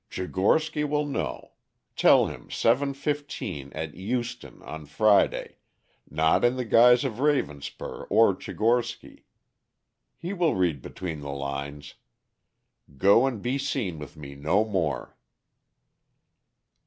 "Tchigorsky will know. Tell him 7:15 at Euston on Friday, not in the guise of Ravenspur or Tchigorsky. He will read between the lines. Go and be seen with me no more."